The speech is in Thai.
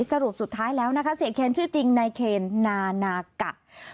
สรุปสุดท้ายแล้วนะคะเสียเคนชื่อจริงนายเคนนานากะ